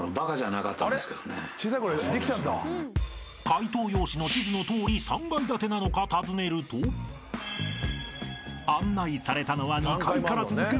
［解答用紙の地図のとおり３階建てなのか尋ねると案内されたのは］